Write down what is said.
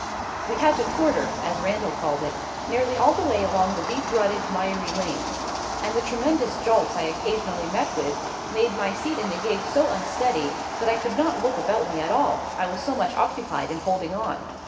We had to quarter, as Randal called it, nearly all the way along the deep rutted, miry lanes; and the tremendous jolts I occasionally met with made my seat in the gig so unsteady that I could not look about me at all, I was so much occupied in holding on.